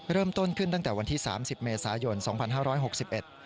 เริ่มต้นขึ้นตั้งแต่วันที่สามสิบเมษายนสองพันห้าร้อยหกสิบเอ็ด